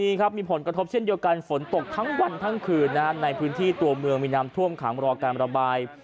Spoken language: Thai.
อีกวันมีผลกระทบเช่นเดียวกันฝนตกทั้งวันทั้งคืนนะฮะในพื้นที่ตรงเมืองมีน้ำทั่วมถามรอกลายมารบาย